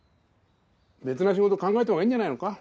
別の仕事考えたほうがいいんじゃないのか？